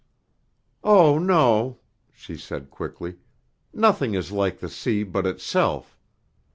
"Oh, no," she said quickly. "Nothing is like the sea but itself.